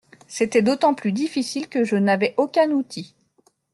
C’était d’autant plus difficile que je n’avais aucun outil.